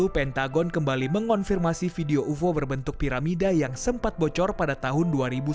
pentagon kembali mengonfirmasi video ufo berbentuk piramida yang sempat bocor pada tahun dua ribu sembilan belas